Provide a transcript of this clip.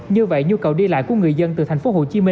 như vậy nhu cầu đi lại của người dân từ tp hcm